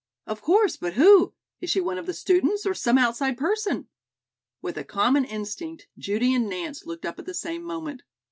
"Of course, but who? Is she one of the students or some outside person?" With a common instinct, Judy and Nance looked up at the same moment.